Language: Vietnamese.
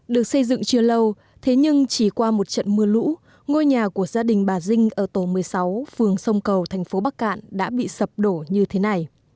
được xây dựng chưa lâu thế nhưng chỉ qua một trận mưa lũ ngôi nhà của gia đình bà dinh ở tổ một mươi sáu phường sông cầu thành phố bắc cạn đã bị sập đổ như thế này